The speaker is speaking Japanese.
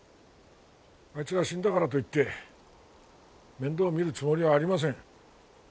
あいつが死んだからといって面倒を見るつもりはありません。